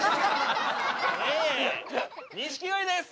錦鯉です。